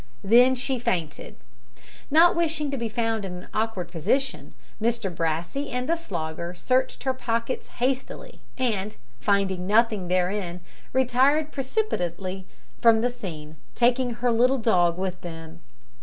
Then she fainted. Not wishing to be found in an awkward position, Mr Brassey and the Slogger searched her pockets hastily, and, finding nothing therein, retired precipitately from the scene, taking her little dog with them.